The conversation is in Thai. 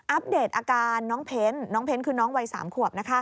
เดตอาการน้องเพ้นน้องเพ้นคือน้องวัย๓ขวบ